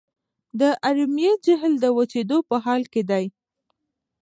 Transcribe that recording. د ارومیې جهیل د وچیدو په حال کې دی.